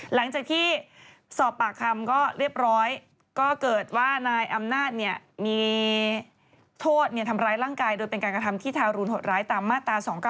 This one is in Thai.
หลังจากที่สอบปากคำก็เรียบร้อยก็เกิดว่านายอำนาจมีโทษทำร้ายร่างกายโดยเป็นการกระทำที่ทารุณหดร้ายตามมาตรา๒๙